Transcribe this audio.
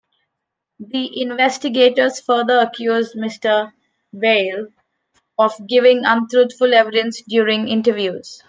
The investigators further accused Mr Beale of giving "untruthful" evidence during interviews.